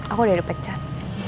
aku udah dipecat